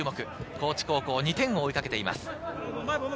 高知高校、２点を追いかけています。